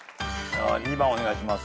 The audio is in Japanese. ２番お願いします。